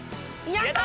やった！